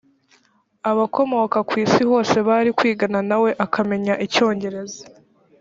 abakomoka ku isi hose bari kwigana nawe akamenya icyongereza